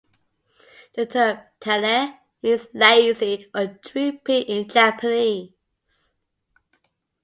The term "tare" means "lazy" or "droopy" in Japanese.